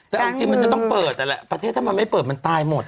แต่เอาจริงมันจะต้องเปิดนั่นแหละประเทศถ้ามันไม่เปิดมันตายหมด